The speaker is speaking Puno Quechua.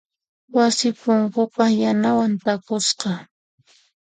Wasi punkuqa yanawan takusqa.